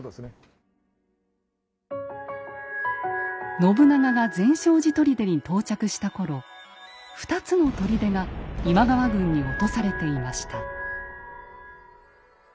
信長が善照寺砦に到着した頃２つの砦が今川軍に落とされていました。